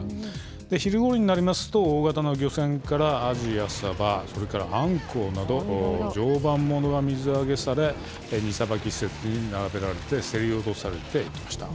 昼ごろになりますと、大型の漁船からアジやサバ、それからアンコウなど、常磐ものが水揚げされ、荷さばき施設に並べられて、競り落とされていきました。